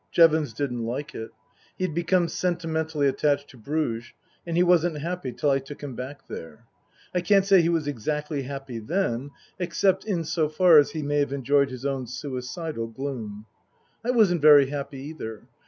Jevons didn't like it. He had become sentimentally attached to Bruges, and he wasn't happy till I took him back there. I can't say he was exactly happy then except in so far as he may have enjoyed his own suicidal gloom. I wasn't very happy either.